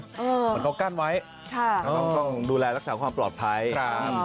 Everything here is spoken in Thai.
เหมือนเขากั้นไว้ค่ะก็ต้องดูแลรักษาความปลอดภัยครับ